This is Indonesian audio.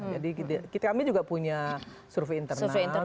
jadi kami juga punya survei internal